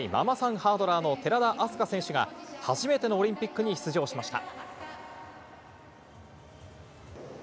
ハードラーの寺田明日香選手が、初めてのオリンピックに出場しました。